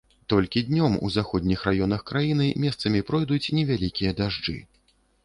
Толькі днём у заходніх раёнах краіны месцамі пройдуць невялікія дажджы.